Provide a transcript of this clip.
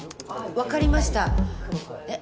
分かりました。え？